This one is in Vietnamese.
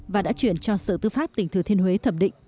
và đã chuyển cho sở tư pháp tỉnh thừa thiên huế thẩm định